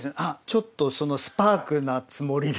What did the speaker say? ちょっとそのスパークなつもり。